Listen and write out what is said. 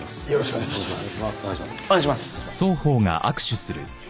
お願いします。